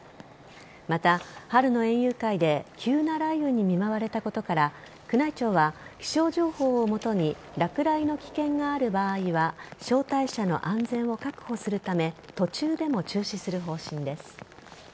また、春の園遊会で急な雷雨に見舞われたことから宮内庁は、気象情報を基に落雷の危険がある場合は招待者の安全を確保するため途中でも中止する方針です。